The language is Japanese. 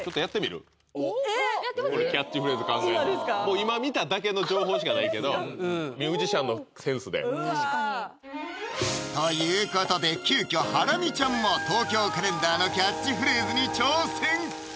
今見ただけの情報しかないけどミュージシャンのセンスで確かにということで急きょハラミちゃんも「東京カレンダー」のキャッチフレーズに挑戦！